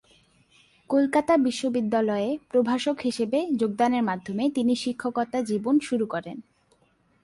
কলকাতা বিশ্ববিদ্যালয়ে প্রভাষক হিসেবে যোগদানের মাধ্যমে তিনি শিক্ষকতা জীবন শুরু করেন।